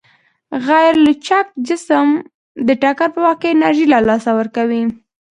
غیرلچک جسم د ټکر په وخت کې انرژي له لاسه ورکوي.